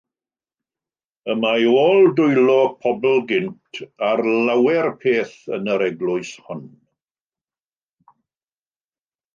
Y mae ôl dwylo pobl gynt ar lawer peth yn yr eglwys hon.